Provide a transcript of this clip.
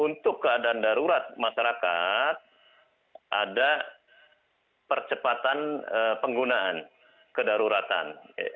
untuk keadaan darurat masyarakat ada percepatan penggunaan kedaruratan